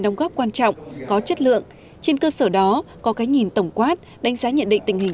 đồng góp quan trọng có chất lượng trên cơ sở đó có cái nhìn tổng quát đánh giá nhận định tình hình